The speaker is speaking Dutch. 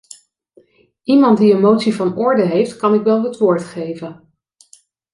Iemand die een motie van orde heeft, kan ik wel het woord geven.